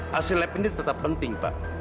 hasil lab ini tetap penting pak